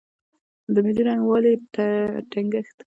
د ملي یووالي ټینګښت لپاره څه شی ته ډېره اړتیا ده.